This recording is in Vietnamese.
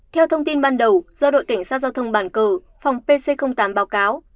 theo thông tin ban đầu do đội cảnh sát giao thông bản cờ phòng pc tám báo cáo